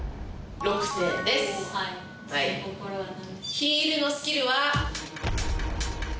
ヒールのスキルは。